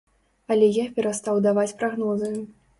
Але я перастаў даваць прагнозы.